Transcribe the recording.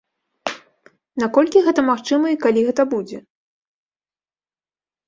Наколькі гэта магчыма і калі гэта будзе?